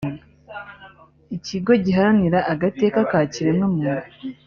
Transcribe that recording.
Ikigo giharanira agateka ka kiremwa muntu